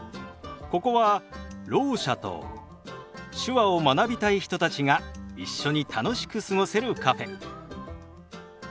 ここはろう者と手話を学びたい人たちが一緒に楽しく過ごせるカフェ。